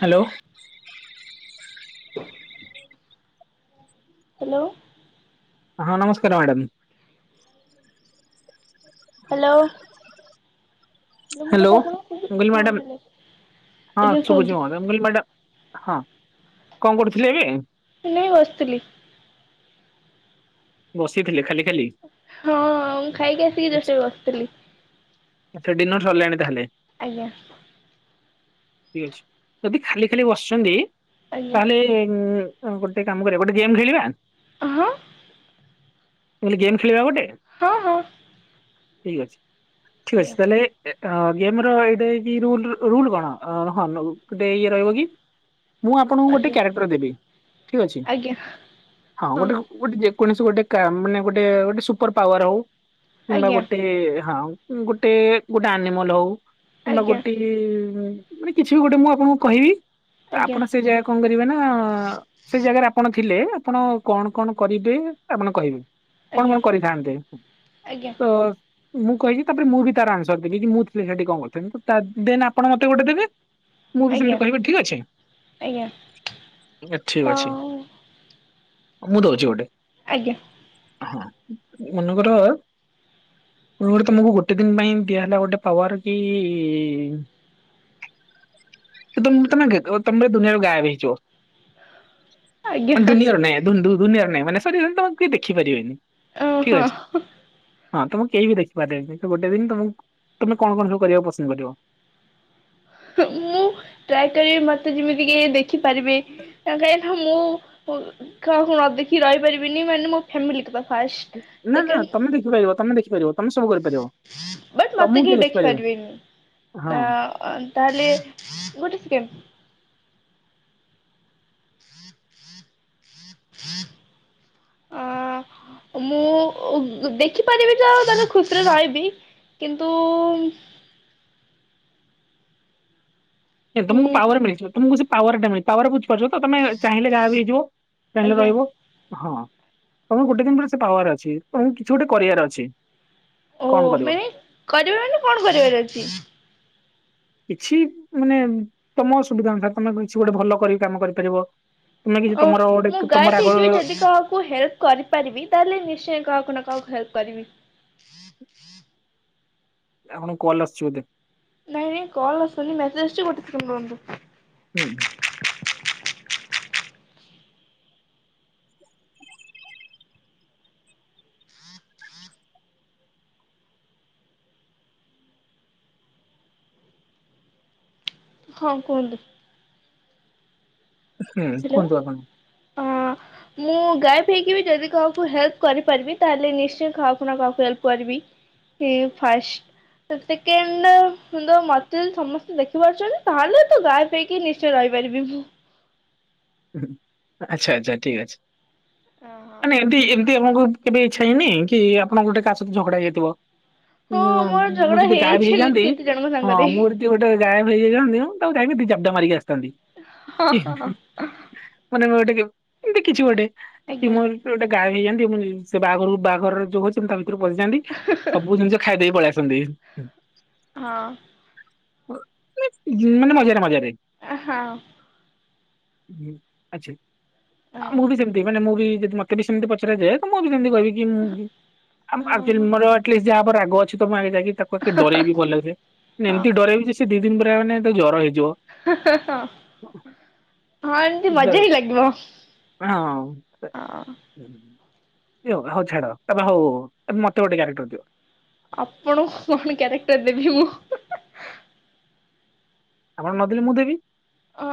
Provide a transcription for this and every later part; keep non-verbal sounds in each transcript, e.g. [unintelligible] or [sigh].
Hello. Hello. ହଁ ନମସ୍କାର madam. Hello. ମୋ ହ୍ୟାଲୋ। କଥା ଆପଣଙ୍କୁ ମୁଁ କହିଲି ହଁ ମ୍ୟାଡ଼ାମ ହ୍ୟାଲୋ ହଁ ଆଜ୍ଞା କୁହନ୍ତୁ। ଶୁଭୁଛି ମ୍ୟାଡ଼ାମ ମୁଁ ମ୍ୟା ହଁ କଣ କରୁଥିଲେ ଏବେ? [unintelligible] ବସିଥିଲି। ବସିଥିଲେ ଖାଲି? ଖାଲି ହଁ ମୁଁ ଖାଇକି ଆସିକି ଜଷ୍ଟ୍ ବସିଥିଲି। ଆଚ୍ଛା ଡିନର ସରିଲାଣି ତାହେଲେ? ଆଜ୍ଞା। ଠିକ୍ ଅଛି ଯଦି ଖାଲି ଖାଲି ବସିଚନ୍ତି ଆଜ୍ଞା। ତାହେଲେ ଉଁ ହଁ ଗୋଟେ କାମ କରିବା ଗୋଟେ ଗେମ୍ ଖେଳିବା? ହଁ। ମୁଁ କହିଲି ଗେମ୍ ଖେଳିବା ଗୋଟେ? ହଁ ହଁ। ଠିକ୍ ଅଛି ଠିକ୍ ଆଜ୍ଞା ଅଛି ତାହେଲେ ଗେମ୍ ର ଏଇଟା ରୁଲ୍ ରୁଲ୍ କଣ ହଁ ଗୋଟେ ଇଏ ରହିବ କି ମୁଁ ଆପଣଙ୍କୁ ଗୋଟେ ଆଜ୍ଞା କ୍ୟାରେକ୍ଟର ଦେବି ଠିକ୍ ଅଛି ଆଜ୍ଞା ହଁ ଗୋଟେ ଗୋଟେ କୌଣସି ଗୋଟେ କା ମାନେ ଗୋଟେ ଗୋଟେ ସୁପର ପାୱାର ହଉ କିମ୍ବା ଆଜ୍ଞା ଗୋଟେ ହଁ। ଗୋଟେ ଗୋଟେ ଆନିମଲ ହଉ କିମ୍ବା ଆଜ୍ଞା। ଗୋଟେ ମାନେ କିଛି ବି ଗୋଟେ ମୁଁ ଆପଣଙ୍କୁ କହିବି ଆପଣ ଆଜ୍ଞା ସେ ଜାଗା କଣ କରିବେ ନା ସେ ଜାଗାରେ ଆପଣ ଥିଲେ ଆପଣ କଣ କଣ କରିବେ ଆପଣ କହିବେ? ଆଜ୍ଞା କଣ ଆଜ୍ଞା କଣ କରିଥାନ୍ତେ? ତ ମୁଁ କହିଲି ତାପରେ ମୁଁ ବି ତାର ଆନ୍ସାର ଦେବି କି ମୁଁ ସେଠି କଣ କରିଥାନ୍ତି ଦେନ୍ ଆପଣ ମତେ ଗୋଟେ ଦେବେ। ମୁଁ ବି ସେମିତି ଆଜ୍ଞା କହିବି ଠିକ୍ ଅଛି ଆଜ୍ଞା ଠିକ୍ ତ ଅଛି। ମୁଁ ଦଉଛି ଗୋଟେ। ଆଜ୍ଞା। ହଁ ମନେକର ପୂର୍ବରୁ ତମକୁ ଗୋଟେ ଦିନି ପାଇଁ ଦିଆହେଲା ଗୋଟେ ପାୱାର କି ତମେ ତ ତମେ ଦୁନିଆରୁ ଗାୟବ ହଇଯିବ। ଆଜ୍ଞା ମାନେ ଦୁନିଆର ନାହିଁ ଦୁନିଆରେ ନାହିଁ ମାନେ ସରି ତମକୁ ଦେ ଦେଖିପାରିବେନି। ଠିକ୍ ଓହୋ। ଅଛି। ହଁ ତମକୁ କେହି ବି ଦେଖିପାରିବେନି [unintelligible] ଗୋଟେ ଦିନ୍ ତମକୁ ତମେ କଣ କଣ ସବୁ କରିବାକୁ ପସନ୍ଦ କରିବ? ମୁଁ ଟ୍ରାଏ କରିବି ମତେ ଯେମିତି କେହି ଦେଖିପାରିବେ କାହିଁକି ନା ମୁଁ କାହାକୁ ନ ଦେଖି ରହି ପାରିବିିନି ମାନେ ମୋ ଫ୍ୟାମିଲି [unintelligible] ନା ନା ସେକେଣ୍ଡ ତମେ ଦେଖିପାରିବ ତମେ ଦେଖିପାରିବ ତମେ ସବୁ କରିପାରିବ। ବଟ୍ ତମକୁ ମତେ କିଏ କେହି ଦେଖିପାରିବନି ଦେଖିପାରିବେନି। ହଁ। ନା ତାହେଲେ ଗୋଟେ ସେକେଣ୍ଡ ଅ [inaudible] ମୁଁ। ଓ ଦେଖିପାରିବି ତ ତାହେଲେ ଖୁସିରେ ରହିବି କିନ୍ତୁ ତମକୁ ଉଁ ପାୱାର ମିଳିଯିବ ତମକୁ ସେ ପାୱାର ଟା ମିଳି ପାୱାର ବୁଝିପାରୁଚ ତ ତମେ ଚାହିଁଲେ ଗାୟବ ହେଇଯିବ। [unintelligible] ଆଜ୍ଞା ରହିବ ହଁ। ତମକୁ ଗୋଟେ ଦିନ୍ ପୁରା ସେ ପାୱାର ଅଛି ତମକୁ କିଛି ଗୋଟେ କରିବାର ଅଛି। ଓ କଣ କରିବ ମାନେ କରିବାର ମାନେ କଣ କରିବାର ଅଛି? କିଛି ମାନେ ତମ ସୁୁବିଧା ଅନୁସାରେ ତମେ କିଛି ଗୋଟେ ଭଲ କରିକି କାମ କରିପାରିବ। ତମେ କିଛି ଓ ତମର ଗୋଟେ ମୁଁ ତମର ଗାୟବେ ଆଗ ହେଇକି ବି ଯଦି କାହାକୁ ହେଲ୍ପ୍ କରିପାରିବି ତାହେଲେ ନିଶ୍ଚୟ କାହାକୁ ନା କାହାକୁ ହେଲ୍ପ୍ କରିବି। ଆପଣଙ୍କ କଲ୍ ଆସୁଚି ବୋଧେ? ନାଇଁ ନାଇଁ କଲ ଆସୁନି ମେସେଜ୍ [unintelligible] ହୁଁ। ହଁ କୁହନ୍ତୁ। ହୁଁ ହ୍ୟାଲୋ କୁହନ୍ତୁ ଆପଣ। ହଁ ମୁଁ ଗାୟେପ୍ ହେଇକି ବି ଯଦି କାହାକୁ ହେଲ୍ପ୍ କରିପାରିବି ତାହେଲେ ନିଶ୍ଚୟ କାହାକୁ ନାଁ କାହାକୁ ହେଲ୍ପ କରିବି। ଏ ଫାଷ୍ଟ୍ ତ ସେକେଣ୍ଡ୍ ତ ମତେ ଯଦି ସମସ୍ତେ ଦେଖିପାରୁଚନ୍ତି ତାହେଲେ ତୁ ଗାୟେପ୍ ହେଇକି ନିଶ୍ଚୟ ରହି ପାରିବି ମୁଁ। ଆଚ୍ଛା ଆଚ୍ଛା ଠିକ୍ ଅଛି ମାନେ ଏମତି ଏମତି ଆମୁକୁ କେବେ ଇଚ୍ଛା ହେଇନି କି ଆପଣ ଗୋଟେ କାହା ସହିତ ଝଗଡ଼ା ହେଇଯାଇଥିବ ହଁ ଉଁ ମୋର ମୁଁ ଝଗଡା ଯଦି ଗାୟବେ ହେଇଛି ଏମିତି ହେଇଯାଆନ୍ତି କେତେ ଜଣଙ୍କ ହଁ ସାଙ୍ଗରେ। ମୁଁ ଗୋଟେ ତିଏ ଗାୟବେ ବି ହେଇଯାଇଥାନ୍ତି ତାକୁ ଯାଇ ବି ଦି ଜାବଡ଼ା ମାରିକି ଆସିଥାନ୍ତି ହଁ ହଁ ହଁ ମାନେ ଟିକେ ଏମତି କିଛି ଗୋଟେ କି ଆଜ୍ଞା ମୁଁ ଏମିତି ଗୋଟେ ଗାୟବ ହେଇଯାଆନ୍ତି ମୁଁ ନି ସେ ବାଘରକୁ ବାଘର ଯୋଉ ହଉଚି ମୁଁ ତା ଭି ତୁରୁ ପଶିଯାଆନ୍ତି ସବୁ ଜିନିଷ ଖାଇଦେଇ ପଳିଆସନ୍ତି। ହଁ। ଅ ନେ ଯେ ମାନେ ମଜାରେ ମଜାରେ। ଅ ହଁ। ହୁଁ ଆଚ୍ଛା ଆ ମୁଁ ହଁ। ବି ଯେମତି ମାନେ ମୁଁ ବି ଯଦି ମତେ ବି ସେମତି ପଚରା ଯାଏ ତ ମୁଁ ବି ସେମତି କହିବି ଗି ମୁଁ ବି ଆ ଆକ୍ଚୁଆଲି ହଁ। ମୋର ଆଟଲିଷ୍ଟ୍ ଯାହା ଓପରେ ରାଗ ଅଛି ତ ମୁଁ ଆଗେ ଯାଇକି ତାକୁ ଆଗେ ଡରେଇବି ଭଲସେ ନେ ହଁ ଏମତି ଡରେଇବି ଯେ ସେ ଦି ଦିନ୍ ପୁରା ମାନେ ତାକୁ ଜର ହେଇ ହ ହଁ ଏମତି ଦ ମଜା ହିଁ ଲାଗିବ ହଁ। ବି ଆଉ ହଉ ଛାଡ଼ ତାପ ହଉ ହଉ ହଉ ଏବେ ମତେ ଗୋଟେ କ୍ୟାରେକ୍ଟର୍ ଦିଅ। ଆପଣଙ୍କୁ କଣ କ୍ୟାରେକ୍ଟର୍ ଦେବି ମୁଁ? ଆପଣ ନଦେଲେ ମୁଁ ଦେବି। ଅ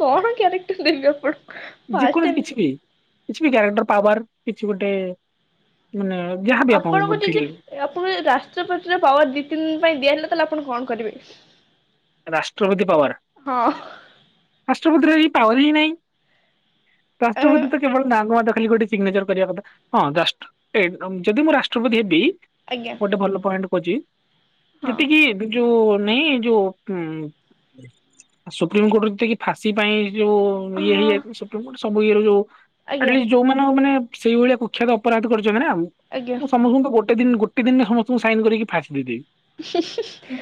କଣ କ୍ୟାରେକ୍ଟର୍ ଦେବି ଆପଣ ଯେକୌଣସି କିଛି ବି କିଛି ବି କ୍ୟାରେକ୍ଟର୍ ପାୱାର୍ କିଛି ଗୋଟେ ମାନେ ଯାହାବି ଆପଣଙ୍କୁ ଠିକ ଯଦି ଆପଣଙ୍କୁ ରାଷ୍ଟ୍ରପତିର ପାୱାର୍ ଦି ତିନି ଦିନ ପାଇଁ ଦିଆହେଲା ତାଲେ ଆ ପଣ କଣ କରିବେ? ରାଷ୍ଟ୍ରପତି ପାୱାର୍ ହଁ ରାଷ୍ଟ୍ରପତିର ହି ପାୱାର୍ ହିଁ ନାଇଁ। ଅ ରାଷ୍ଟ୍ରପତି ତ କେବଳ ନାଁକୁ ମାଦ ଖାଲି ଗୋଟେ ସିଗ୍ନେଚର୍ କରିବା କଥା ହଁ ଜଷ୍ଟ୍ ଏ ଯଦି ମୁଁ ରାଷ୍ଟ୍ରପତି ହେବି ଆଜ୍ଞା ଗୋଟେ ଭଲ ପଏଣ୍ଟ୍ ଖୋଜି ହଁ ଯେତିକି ଏବେ ଯୋଉ ନାଇଁ ଯୋଉ ଉଁ ସୁପ୍ରିମକୋର୍ଟରୁ ଯେତିକିି ଫାଶୀ ପାଇଁ ଯୋଉ ଇଏ ହଁ ହେଇଯାଇଥିଲେ ସୁପ୍ରିମକୋର୍ଟ ସବୁ ଇଏର ଯୋଉ ଆଜ୍ଞା ଆଟଲିଷ୍ଟ୍ ଯୋଉମାନଙ୍କ ମାନେ ସେଇ ଭଳିଆ କୁଖ୍ୟାତ ଅପରାଧ କରିଚ ମାନେ ଆଉ ଆଜ୍ଞା। ମୁଁ ସମସ୍ତଙ୍କୁ ତ ଗୋ ଟେ ଦିନ ଗୋଟେ ଦିନରେ ସମସ୍ତଙ୍କୁ ସାଇନ୍ କରିକି ଫାଶୀ ଦେଇଦେବି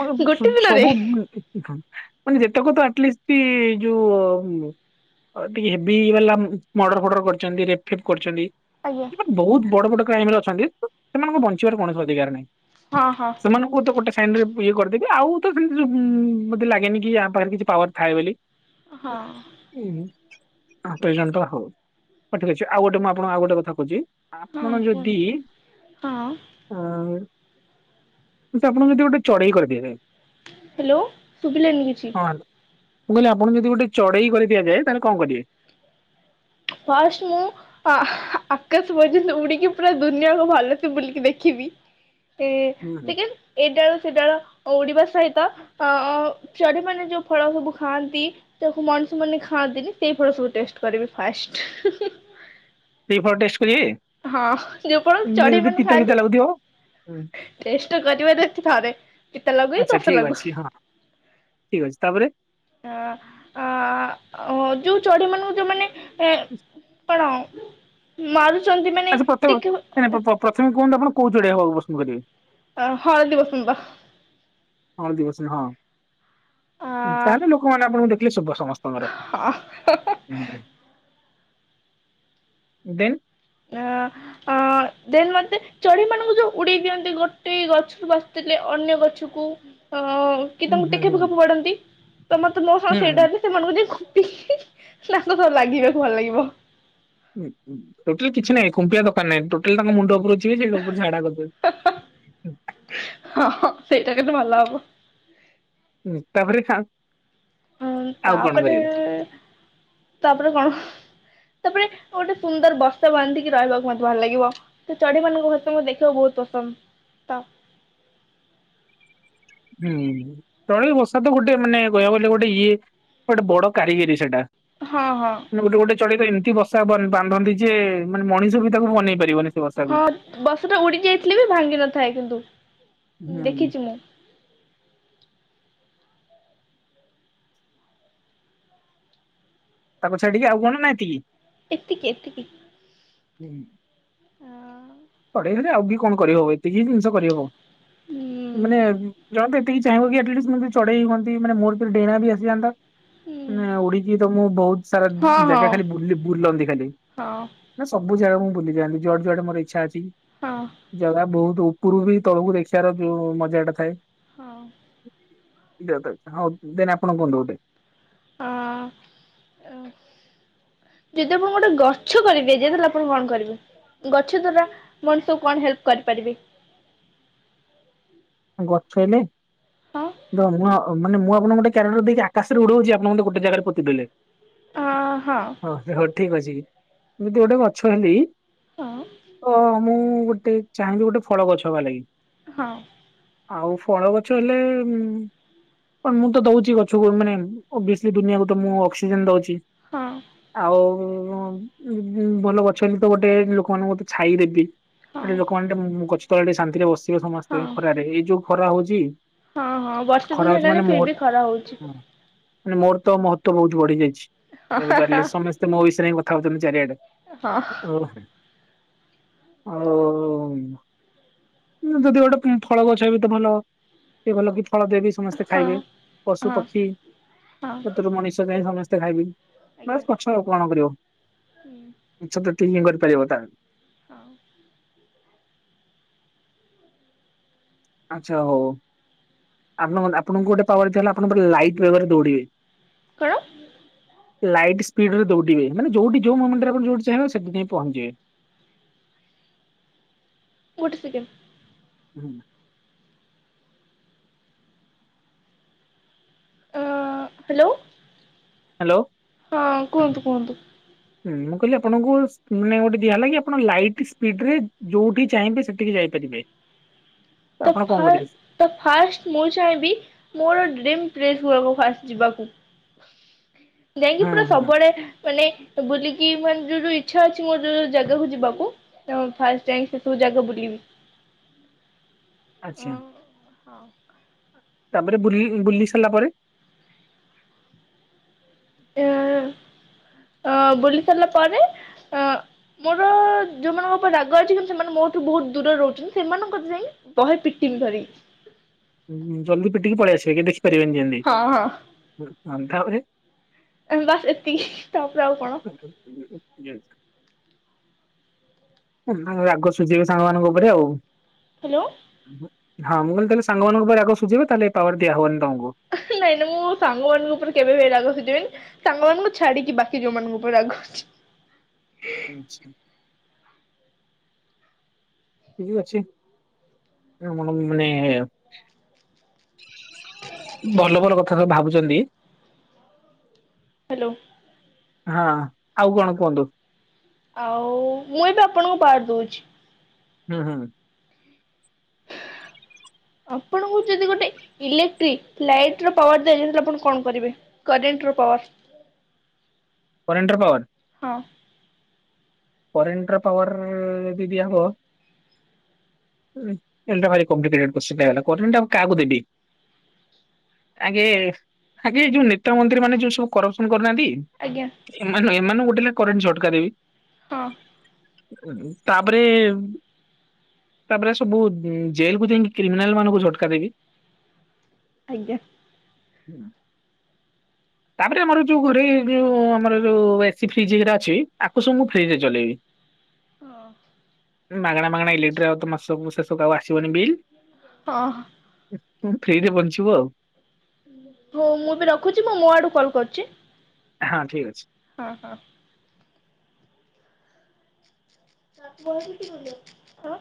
ମତେ ସୁ ଗୋଟେ ଦିନରେ ସବୁ ଉଁ ମାନେ ଯେତକ ତ ଆଟଲିଷ୍ଟି ଯୋଉ ମୁ ଅ ଟିକେ ହେବି ବାଲା ମଡ଼ର୍ ଫଡ଼ର୍ କରିଚନ୍ତି ରେପ୍ ଫେପ୍ କରିଚନ୍ତି ଆଜ୍ଞା ଏମାନେ ବହୁତ ବଡ଼ ବଡ଼ କ୍ରାଇମରେ ଅଛନ୍ତି ସେମାନଙ୍କୁ ହଁ ବଞ୍ଚିବାର କୌଣସି ଅଧିକାର ନାହିଁ ହଁ ହଁ ସେମାନଙ୍କୁ ତ ଗୋଟେ ସାଇନ୍ ରେ ଇଏ କରିଦେବି ଆଉ ତ ସେମିତି ଉଁ ମତେ ଲାଗେନି କି ୟା ପାଖରେ କିଛି ପାୱାର୍ ଥାଏ ବୋଲି। ହଁ ନାଁ ଉହୁଁ। ଅହଁ ସଇଲାଣି ତ ହଉ ହ ଠିକ୍ ଅଛି ଆଉ ଗୋଟେ ମୁଁ ଆପଣଙ୍କୁ ଆଉ ଗୋଟେ କଥା କୋହୁଚି ଆପଣ ହଁ ଯଦି କୁହନ୍ତୁ ହଁ ଅ ଅତି ଆପଣଙ୍କୁ ଯତି ଗୋଟେ ଚଡ଼େଇ କରିଦିଆଯାଏ ହେଲୋ ଶୁବିଲାନି କିଛି। ହଁ ମୁଁ କହିଲି ଆପଣଙ୍କୁ ଯଦି ଗୋଟେ ଚଡ଼େଇ କରିଦିଆଯାଏ ତାହେଲେ କଣ କରିବେ? ଫାଷ୍ଟ୍ ମୁଁ ଅ ଆକାଶ ପର୍ଯ୍ୟନ୍ତ ଉଡି଼କି ପୁରା ଦୁନିଆକୁ ଭଲସେ ବୁଲିକି ଦେଖି ବି ଏ ଟିକେ ଏ ଡାଳ ସେ ଡାଳ ଓଡି଼ବା ସହିତ ଅଁ ଅଁ ଚଢ଼େଇମାନେ ଯୋଉ ଫଳ ସବୁ ଖାଆନ୍ତି ତାକୁ ମଣିଷ ମାନେ ଖାଆ ନ୍ତିନି ସେଇ ଫଳ ସବୁ ଟେଷ୍ଟ୍ କରିବି ଫାଷ୍ଟ୍। ସେଇ ଫଳ ଟେଷ୍ଟ୍ କରିଏ ଏମତି ଯଦି ପିତା ପିତା ଲାଗୁଥିବ? ଟେଷ୍ଟ୍ ତ କରିବାର ଅଛି ଥରେ ପିତା ଲାଗୁ କି ଆଚ୍ଛା କଷା ଠିକ ଲାଗୁ। ଅଛି ହଁ ଠିକ ଅଛି ତାପରେ ଆ ଆ ଯୋଉ ଚଢ଼େଇ ମାନଙ୍କୁ ଯୋଉ ମାନେ କଣ ମାରୁ ଆଛା, ପ୍ରଥମେ ପ୍ରଥମେ କୁହନ୍ତୁ ଆପଣ କୋଉ ଚଢ଼େଇ ହବକୁ ପସନ୍ଦ କରିବେ? ଅ ହଳଦୀବସନ୍ତ ହଳଦୀବସନ୍ତ ଆ ହଁ ତାହେଲେ ଲୋକମାନେ ଆପଣଙ୍କୁ ଦେଖିଲେ ଶୁଭ। ସମସ୍ତଙ୍କର, ଅ ଦେନ ଅ ଦେନ୍ ମତେ ଚଢେଇ ମାନଙ୍କୁ ଯୋଉ ଉଡେଇ ଦିଅନ୍ତି ଗୋଟେ ଗଛରୁ ବସି ଅନ୍ୟ ଗଛକୁ ଅ କି ହୁଁ ତାଙ୍କୁ ହୁଁ ଟେକା ହୁଁ ଫେକା ଫୋପାଡନ୍ତି ତ ମତେ ହୁଁ [unintelligible] ସେଇଟ ସେମାନଙ୍କୁ ଯେ - ତାଙ୍କ ସହ ଲାଗିବାକୁ ଭଲ ଲାଗିବ। ଟୋଟାଲ କିଛି ନାହିଁ, କୁମ୍ପିଆ ଦରକାର ନାହିଁ, ଟୋଟାଲ ତାଙ୍କ ମୁଣ୍ଡ ଉପରୁ ହଁ ହଁ ସେଇଟା [unintelligible] କିନ୍ତୁ ଭଲ ହବ ହଁ ତା ପରେ ଖା ହଁ ତାପରେ ତାପରେ କଣ? ତାପରେ ଗୋଟେ ସୁନ୍ଦର ବର୍ଷା ବାନ୍ଧିକି ରହିବାକୁ ମୋତେ ଭଲ ଲାଗିବ, ତ ଚଢେଇ ମାନଙ୍କୁ ବହୁତ ସମୟ ଦେଖିବାକୁ ବହୁତ ପସନ୍ଦ। ତ [inaudible] ହୁଁ ଚଢ଼େଇ ବଷା ତ ଗୋଟେ ମାନେ କହିବାକୁ ଗଲେ ଗୋଟଇଏ ଗୋଟେ ବଡ କାରିଗରି ସେଟା, ହଁ ହଁ। ଗୋଟେ ଗୋଟେ ଚଢ଼େ ଇ [unintelligible] ବସା ବାନ୍ଧନ୍ତି ଯେ- ମାନେ ମଣିଷ ବି ତାକୁ ମନେଇ ପାରିବନି। ସେ ବସାକୁ। ହଁ ବସାଟା ଉଡି ଯାଇଥିଲେ ବି ଭାଙ୍ଗି ନଥାଏ କିନ୍ତୁ। ହୁଁ ଦେଖିଛି ମୁଁ। ତାକୁ ଛାଡିକି ଆଉ କଣ ଏତିକି? ଏତିକି ଏତିକି। ହୁଁ ପଢେଇଲେ ଆଉ କି କଣ କରିବ ଏତିକି ଜିନିଷ କରିହବ, ହୁଁ ମାନେ ଜାଣନ୍ତୁ ଏତିକି। ଚାହିଁବା ଆଟିଲିସ୍ ଚଢେଇ ହୁଅନ୍ତି ମାନେ, ମୋ ଦେହ ରେ ଡେଣା ବି ଆସିଯାନ୍ତା। ହୁଁ ନା ଉଡିକି ତ ମୁଁ ବହୁତ ସାରା ହଁ ହଁ ଜାଗା ଖାଲି ବୁଲନ୍ତି ଖାଲି ହଁ ନା ସବୁ ଜାଗା ମୁଁ ବୁଲି ଯାଆନ୍ତି, ଯୁଆଡେ ଯୁଆଡେ ମୋର ଇଛା ଅଛି, ହଁ। ଜାଗା ବହୁତ ପୁରୁଭି ତଳକୁ ଦେଖିବାର ଯୋଉ ମଜା ଟା ଥାଏ। ହଁ ଅଁ ଦିଅ ତାକୁ ହଁ, ଦେନ ଆପଣ କୁହନ୍ତୁ ଗୋଟେ? ହ--ଅ ଯଦି ଆପଣ ଗୋଟେ ଗଛ କରି ଦିଆଯାଏ, ତାହେଲେ ଆପଣ କଣ କରିବେ? ଗଛ ଦ୍ଵାରା ମଣିଷକୁ କଣ ହେଲ୍ପ କରିପାରିବି? [inaudible] ଗଛ ହେଲେ ହଁ ତ ମୁ ମାନ ମୁଁ ଆପଣ ଗୋଟେ କାରଣରୁ ଦେଇ ଆକାଶରେ ଉଡଉଛି ଆପଣ ଗୋଟୋ ଜାଗା ରେ ପୋତିଦେଲେ। ହଁ ହଁ। ହ ହଉ ଠିକ ଅଛି, ମୁଁ ଯଦି ଗୋଟେ ଗଛ ହେଲି ହଁ ଓ ମୁଁ ଗୋଟେ ଚାହିଁବି ଗୋଟେ ଫଳ ଗଛ ହବା ଲାଗି। ହଁ ଅ ଆଉ ଫଳ ଗଛ ହେଲେ ମୁଁ ତ ଦଉଛି ଗଛକୁ ମାନେ- ଅବିଅସଲ୍ଲି ଦୁନିଆ କୁତ ମୁଁ ଅକ୍ସିଜେନ ଦଉଛି। ହଁ ଆଉ ହ ହୁଁ ହୁଁ ଭଲ ଗଛ ହେଲି ତ ଗୋଟେ ଲୋକମାନଙ୍କୁ ଛାଇଦେବି। ହଁ। ଏ ଲୋକମାନେ ଟେ ଗଛ ତଳେ ଟିକେ ଶାନ୍ତିରେ ବସିବେ ହଁ ସମସ୍ତେ ଖରାରେ, ଏଇ ଯୋଉ ଖରା ହଉଛି। ହଁ ହଁ ବର୍ଷା ଖରା ଦିନ ହଉଛି ହେଲାଣି, ମାନେ ଫିର ମୋର ବି ଖରା ହଉଛି। ମାନେ ମୋର ତ ମହତ୍ବ ବହୁତ ବଢି ଯାଇଛି। ହଁ ତାହେଲେ ସମସ୍ତେ ମୋ ବିଷୟରେ ହିଁ କଥା ହଉଛନ୍ତି ଚାରିଆଡେ, ହଁ ଓ ଓ ଯଦି ଗୋଟେ ଫଳ ଗଛ ବି ତ ଭଲ ଏ ଭଲ ଲ ଫଳ ଦେବି ସମସ୍ତେ ହଁ ଖାଇବେ ହଁ ପଶୁପକ୍ଷୀ ହଁ ସେଥିରୁ ମଣିଷ ଯାଏ ସମସ୍ତେ ଖାଇବେ। ବାସ ଆଜ୍ଞା। ପଛ କଣ କରିବ ହୁଁ ପଛ ଏତିକି ହିଁ କରିପାରିବ ତାର। ହାଁ। ଆଛା ହଉ ହଉ ଆପଣ ଆପଣଙ୍କୁ ଗୋଟେ ପାୱାର ହେଲା ଆପଣ ଗୋଟେ ଲାଇଟ୍ [unintelligible] ଦୌଡିବେ। କଣ ଲାଇଟ୍ ସ୍ପିଡରେ ଦୌଡିବେ ମାନେ ଯୋଉଠି ଯୋଉ ମୁମେଣ୍ଟରେ ଆପଣ ଯୋଉଠି ଚାହିଁବେ ସେଥିପାଇଁ ପହଞ୍ଚିବେ। [inaudible] ଗୋଟେ ସେକେଣ୍ଡ। ହୁଁ। ଆ ହ୍ୟାଲୋ। ହ୍ୟାଲୋ। ହଁ କୁହନ୍ତୁ କୁହନ୍ତୁ। ହୁଁ ମୁଁ କହିଲି ଆପଣଙ୍କୁ ମାନେ ଗୋଟେ ଦିଆ ହେଲା କି ଆପଣ ଲାଇଟ୍ ସ୍ପିଡରେ ଯୋଉଠି ଚାହିଁବେ ସେଠିକି ଯାଇ ପାରିବେ। ତ ଫା ତ ଫାଷ୍ଟ ମୁଁ ଚାହିଁବି ମୋର ଡ୍ରିମ୍ ରେ [unintelligible] ଫାଷ୍ଟ ଯିବାକୁ ଯାଇକି ହଁ ପୁରା ହଁ ସବୁଆଡ଼େ ମାନେ ଜାଗ ବୁଲିିବି। ଆଚ୍ଛା। ହଁ। ତାପରେ ବୁଲି ବୁଲି ସାରିଲା ପରେ? ଏ ଅ ବୁଲି ସାରିଲା ପରେ ଅ ମୋର ଯୋଉମାନଙ୍କ ଉପରେ ରାଗ ଅଛି କିନ୍ତୁ ସେମାନେ ମୋଠୁ ବହୁତ ଦୂରରେ ରହୁଛନ୍ତି ସେମାନଙ୍କ ଯାଇ ବହେ ପିଟି ଧରି ଜଲଦି ପିଟିକି ପଳେଇ ଆସିବେ କେଇ ଦେଖି ପାରିବେନି ହଁ ଯେମିତି ତାପରେ? ବାସ ଏତିକି ତାପରେ ଆଉ କଣ। ତା ରାଗ ସୁଝିବ ସାଙ୍ଗମାନାନଙ୍କ ଉପରେ ଆଉ। ହ୍ୟାଲୋ। ହଁ ମୁଁ କହିଲି ତମେ ସାଙ୍ଗମାନଙ୍କ ଉପରେ ଆଗ ସୁଝିବ ତାହେଲେ ପାୱାର ଦିଆ ହବନି। ତମକୁ। ନାଇ ନାଇ ମୁଁ ସାଙ୍ଗମାନାନଙ୍କ ଉପରେ କେବେବି ଏ ରାଗ ଶୁଝେଇବିନି ସାଙ୍ଗମାନଙ୍କ ଛାଡ଼ିିକି ବାକି ଜୋଉ ମାନଙ୍କ ଉପରେ ଅଛି। ଆଚ୍ଛା, ଠିକ ଅଛି ମ ମାନେ ଭଲ ଭଲ କଥା ସବୁ ଭାବୁଛନ୍ତି। ହ୍ୟାଲୋ। ହଁ ଆଉ କଣ କୁହନ୍ତୁ। ଆଉ ମୁଇଁ ବି ଆପଣଙ୍କୁ ବାହାର ଦଉଛି। ହୁଁ ହୁଁ। ଆପଣଙ୍କୁ ଯଦି ଗୋଟେ ଇଲେକ୍ଟ୍ରିକ ଲାଇଟର ପାୱାର ଦିଆଯଏ ତାହାଲେ ଆପଣ କଣ କରିବେ କରେଣ୍ଟର ପାୱାର [unintelligible] କରେଣ୍ଟର ପାୱାର। ହଁ। କରେଣ୍ଟର ପୱାର ଯଦି ଦିଆ ହବ। ଏଇଟା ଭାରି କମ୍ପ୍ଲିକେଟେଡ଼ କୋଚିନ ହେଇଗଲା କରେଣ୍ଟଟା ମୁଁ କାହାକୁ ଦେବି? ଆଗେ ଆଗେ ଯୋଉ ନେତା ମନ୍ତ୍ରୀ ମାନେ ଯୋଉ ସବୁ କରପସନ କରୁନାହାନ୍ତି ଆଜ୍ଞା ଏ ଏମାନଙ୍କୁ ଗୋଟେ ଲେଖେ କରେଣ୍ଟ ଝଟକା ଦେବି। ହଁ। ତାପରେ ତାପରେ ସବୁ ଜେଲକୁୁ ଯାଇକି କ୍ରିମିନାଲ ମାନଙ୍କୁ ଝଟକା ଦେବି। ଆଜ୍ଞା। ହୁଁ। ତାପରେ ଆମର ଯୋଉ ଘୋରେ ଯୋଉ ଆମର ଯୋଉ ଏସି ଫ୍ରିଜଟ ଅଛି ଆକୁ ସୁ ଫ୍ରିଜରେ ଚଲେଇବି। ଓ। ମାଗଣା ମାଗଣା ଇଲେକ୍ଟ୍ରି ଆଉ ତ ମାସକୁ ଶେଷକୁ ଆଉ ଆସିବନି ବିଲ୍ ହଁ ଫ୍ରିରେ ବଞ୍ଚିବୁ ଆଉ ହଁ ମୁଁ ବି ରଖୁଛି ମୁଁ ମୋ ଆଡୁ କଲ କରୁଛି। ହଁ ଠିକ୍ ଅଛି। ହଁ ହଁ। [unintelligible] ନାଁ କହିକିରି ଗଲେ [unintelligible] ହଁ